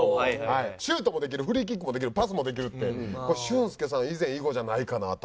シュートもできるフリーキックもできるパスもできるって俊輔さん以前以後じゃないかなと。